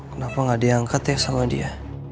kenapa gak diangkat ya sama dia